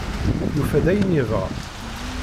Yufa-d ayen yebɣa.